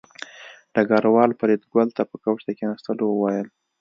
ډګروال فریدګل ته په کوچ د کېناستلو وویل